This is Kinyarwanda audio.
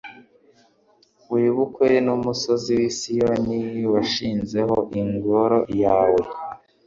wibuke n’umusozi wa Siyoni washinzeho Ingoro yawe